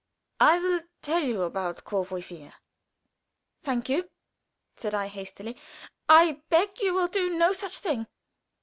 I will tell you about Courvoisier." "Thank you," said I, hastily, "I beg you will do no such thing."